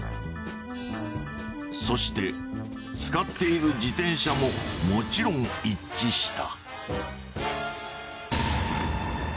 そして使っている自転車ももちろん一致した。